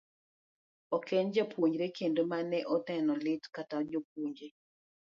Ok en jopuonjre kende ma ne oneno lit, kata jopuonje